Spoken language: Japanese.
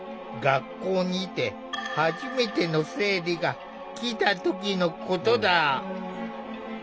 学校にいて初めての生理が来た時のことだ。